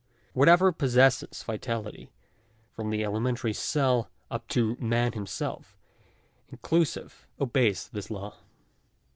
Whatever possesses vitality, from the elementary cell up to man himself, inclusive, obeys this law.